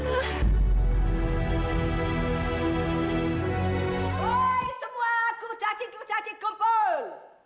hei semua kurcacik kurcacik kumpul